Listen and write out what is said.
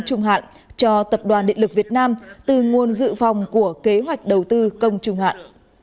các nhiệm vụ dự án đầu tư công trung hạn cho tập đoàn địa lực việt nam từ nguồn dự phòng của kế hoạch đầu tư công trung hạn